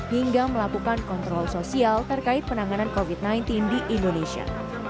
hingga melakukan kontrol sosial terkait penanganan covid sembilan belas di indonesia